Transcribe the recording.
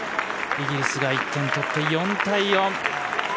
イギリスが１点取って４対４。